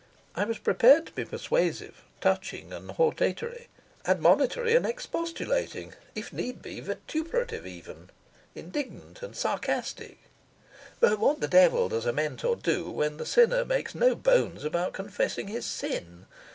I was prepared to be persuasive, touching, and hortatory, admonitory and expostulating, if need be vituperative even, indignant and sarcastic; but what the devil does a mentor do when the sinner makes no bones about confessing his sin?